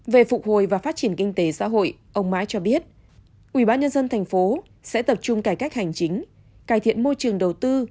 về phục hồi và phát triển kinh tế xã hội ông mãi cho biết ubnd tp sẽ tập trung cải cách hành chính cải thiện môi trường đầu tư